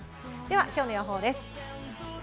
今日の予報です。